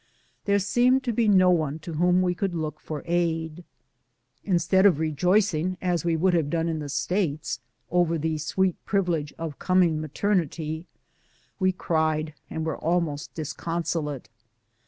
There seemed to be no one to whom we could look for aid. Instead of rejoicing, as we would have done in the States over the sweet privilege of coming maternity, we cried and were al most disconsolate.